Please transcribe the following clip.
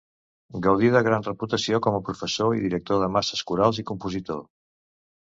Gaudí de gran reputació com a professor i director de masses corals i compositor.